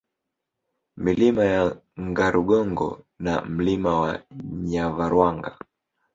Milima ya Nyarugongo na Mlima wa Nyavarwanga